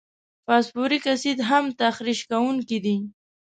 فاسفوریک اسید هم تخریش کوونکي دي.